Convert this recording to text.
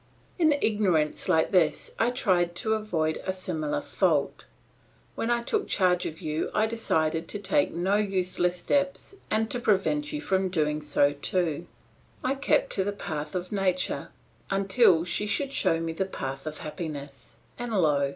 "In ignorance like this I tried to avoid a similar fault. When I took charge of you I decided to take no useless steps and to prevent you from doing so too. I kept to the path of nature, until she should show me the path of happiness. And lo!